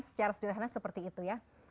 secara sederhana seperti itu ya